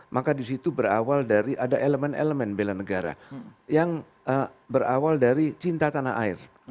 maka disitu berawal dari ada elemen elemen bela negara yang berawal dari cinta tanah air